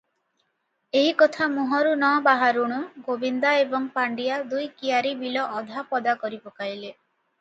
ଏହି କଥା ମୁହଁରୁ ନବାହାରୁଣୁ ଗୋବିନ୍ଦା ଏବଂ ପାଣ୍ଡିଆ ଦୁଇ କିଆରୀ ବିଲ ଅଧା ପଦା କରିପକାଇଲେ ।